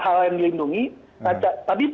hal yang dilindungi tapi